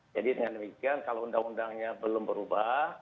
jadi dengan demikian kalau undang undangnya belum berubah